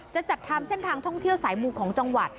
จะจัดทำเส้นทางท่องเที่ยวสายมูของจังหวัด